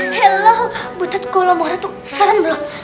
helo butut kalau marah tuh serem bro